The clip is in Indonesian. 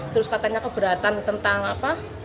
terus katanya keberatan tentang apa